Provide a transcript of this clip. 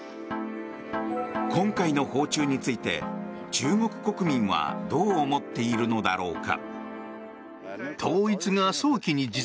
今回の訪中について中国国民はどう思っているのだろうか。